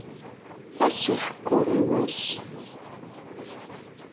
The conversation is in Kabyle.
Ass iḥekku i wass.